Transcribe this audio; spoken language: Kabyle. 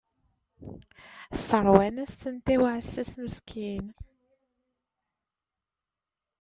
Sseṛwan-as-tent i uɛessas meskin.